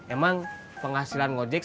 emang penghasilan ngejek seharian